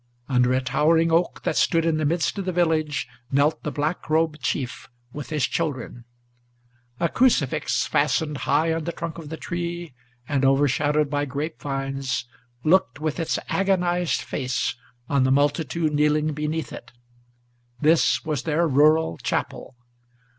Under a towering oak, that stood in the midst of the village, Knelt the Black Robe chief with his children. A crucifix fastened High on the trunk of the tree, and overshadowed by grape vines, Looked with its agonized face on the multitude kneeling beneath it. This was their rural chapel.